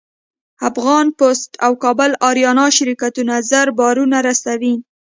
افغان پسټ او کابل اریانا شرکتونه زر بارونه رسوي.